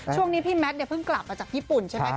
ช่วงนี้พี่แมทเนี่ยเพิ่งกลับมาจากญี่ปุ่นใช่ไหม